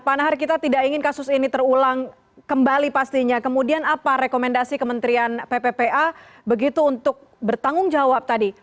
pak nahar kita tidak ingin kasus ini terulang kembali pastinya kemudian apa rekomendasi kementerian pppa begitu untuk bertanggung jawab tadi